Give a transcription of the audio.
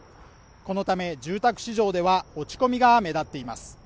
このため住宅市場では落ち込みが目立っています